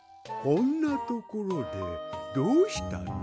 こんなところでどうしたの？